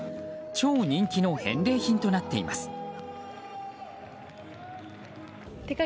超人気の返礼品となっています。